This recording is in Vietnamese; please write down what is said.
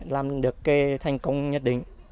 làm được thành công nhất định